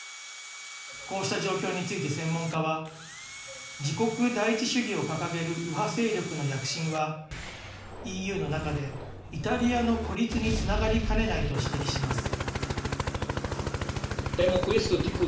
こうした状況について専門家は、自国第一主義を掲げる右派勢力の躍進は、ＥＵの中でイタリアの孤立につながりかねないと指摘します。